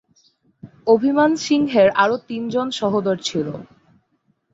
অভিমান সিংহের আরো তিনজন সহোদর ছিল।